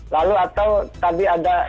lalu atau tadi ada